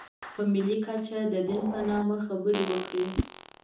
په ملي کچه د دین په نامه خبرې وکړي.